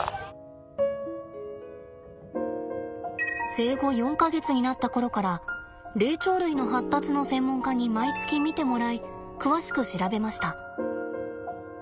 生後４か月になった頃から霊長類の発達の専門家に毎月見てもらい詳しく調べました。